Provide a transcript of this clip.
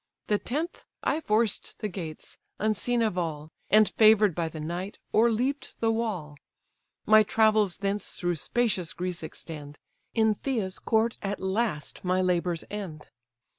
The tenth, I forced the gates, unseen of all: And, favour'd by the night, o'erleap'd the wall, My travels thence through spacious Greece extend; In Phthia's court at last my labours end.